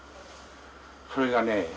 それがね